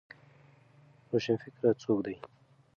روشنفکر څوک دی؟